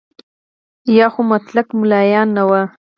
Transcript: یا خو مطلق ملایان نه وو.